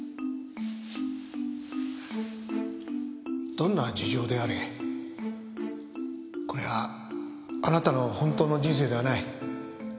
どんな事情であれこれはあなたの本当の人生ではない。